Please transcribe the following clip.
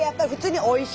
おいしい！